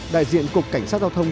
đại diện cục cảnh sát giao thông